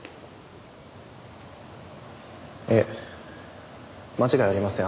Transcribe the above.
ええ間違いありません。